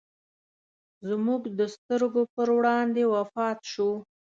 زموږ د سترګو پر وړاندې وفات شو.